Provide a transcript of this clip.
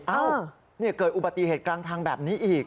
เกิดอุบัติเหตุกลางทางแบบนี้อีก